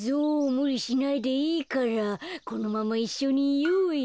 むりしないでいいからこのままいっしょにいようよ。